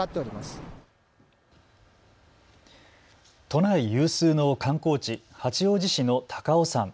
都内有数の観光地、八王子市の高尾山。